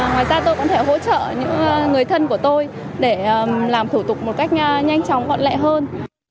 ngoài ra tôi có thể hỗ trợ những người thân của tôi để làm thủ tục một cách nhanh chóng thuận lợi hơn